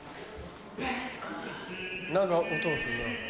何か音がするな。